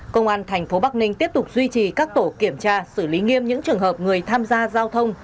công an thành phố bắc ninh tiếp tục duy trì các tổ kiểm tra xử lý nghiêm những trường hợp người tham gia giao thông